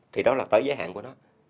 thì đó là tới giới hạn của nó